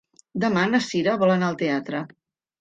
Demà na Sira vol anar al teatre.